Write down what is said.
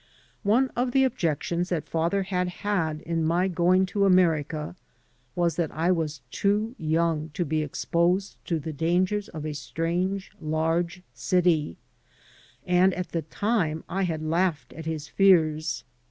One of the objections that father had had to my going to America was that I was too yoimg to be exposed to the dangers of a strange large city, and at the time I had laughed at his fears.